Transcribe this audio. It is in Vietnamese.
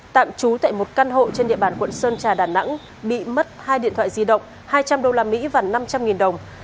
tạm trú tại một căn hộ trên địa bàn quận sơn trà đà nẵng bị mất hai điện thoại di động hai trăm linh usd và năm trăm linh đồng